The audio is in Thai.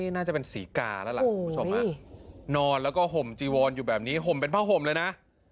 นอนแล้วห่มจีวรอยู่แบบนี้ห่มเป็นพระห่มเลยนะ